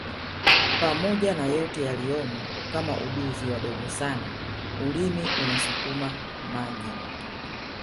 pamoja na yote yaliyomo kama uduvi wadogo sana ulimi unasukuma maji